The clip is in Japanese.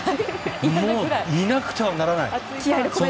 もういなくてはならない存在です。